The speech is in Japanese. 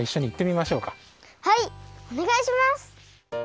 はいおねがいします！